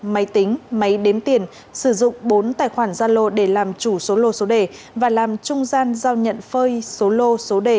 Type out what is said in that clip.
máy tính máy đếm tiền sử dụng bốn tài khoản gia lô để làm chủ số lô số đề và làm trung gian giao nhận phơi số lô số đề